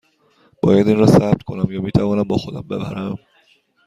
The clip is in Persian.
باید این را ثبت کنم یا می توانم با خودم ببرم؟